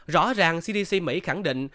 rõ ràng cdc mỹ khẳng định